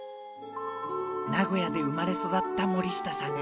名古屋で生まれ育った森下さん